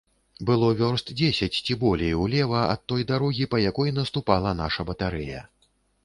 Было вёрст дзесяць ці болей улева ад той дарогі, па якой наступала наша батарэя.